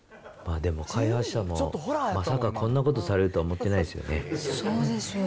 でも開発者もまさかこんなことされるとは思ってないですよね